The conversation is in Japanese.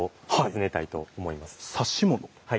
はい。